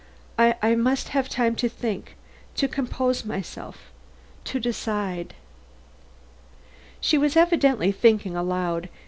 I must have time to think to compose myself to decide " She was evidently thinking aloud.